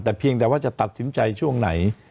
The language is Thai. แต่เพียงแต่ว่าจะตัดสินใจช่วงไหน